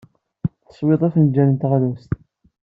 Teswiḍ afenjal n teɣlust.